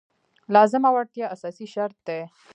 لازمه وړتیا اساسي شرط دی.